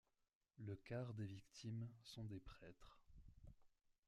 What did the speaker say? Le quart des victimes sont des prêtres.